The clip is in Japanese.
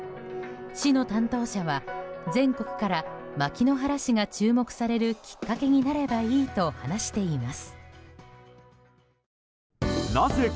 市の担当者は、全国から牧之原市が注目されるきっかけになればいいと話しています。